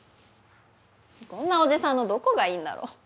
こんなおじさんのどこがいいんだろう？